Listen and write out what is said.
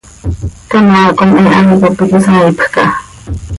Canoaa com he hai cop iiqui saaipj caha.